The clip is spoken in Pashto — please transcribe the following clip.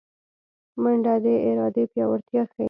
منډه د ارادې پیاوړتیا ښيي